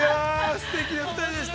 すてきな２人でした。